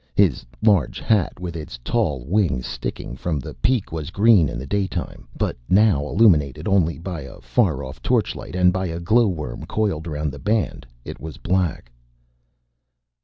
His large hat with its tall wings sticking from the peak was green in the daytime. But now, illuminated only by a far off torchlight and by a glowworm coiled around the band, it was black.